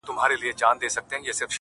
د دې وطن د هر يو گل سره کي بد کړې وي